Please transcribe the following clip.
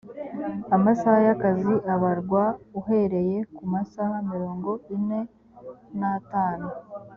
amasaha y’akazi abarwa uhereye ku masaha mirongo ine n’atanu